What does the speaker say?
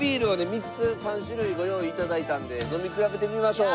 ３つ３種類ご用意いただいたんで飲み比べてみましょう。